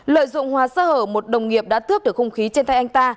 lợi dụng hòa xa hở một đồng nghiệp đã tước được không khí trên tay anh ta